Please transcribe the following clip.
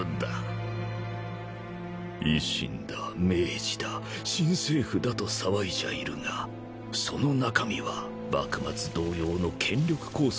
維新だ明治だ新政府だと騒いじゃいるがその中身は幕末同様の権力抗争が続いているのさ。